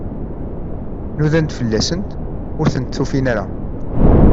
Nudant fell-asent, ur tent-ufint ara.